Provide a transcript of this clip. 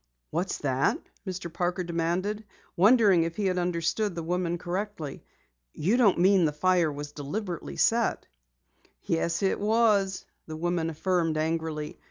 "What's that?" Mr. Parker demanded, wondering if he had understood the woman correctly. "You don't mean the fire deliberately was set?" "Yes, it was," the woman affirmed angrily.